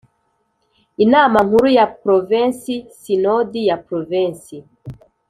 Inama nkuru ya Provensi Sinodi ya Provensi